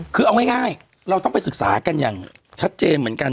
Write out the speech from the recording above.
คือเอาง่ายเราต้องไปศึกษากันอย่างชัดเจนเหมือนกัน